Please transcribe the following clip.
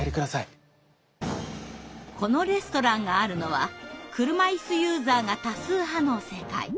このレストランがあるのは車いすユーザーが多数派の世界。